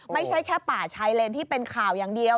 ไม่ใช่แค่ป่าชายเลนที่เป็นข่าวอย่างเดียว